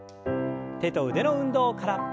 手と腕の運動から。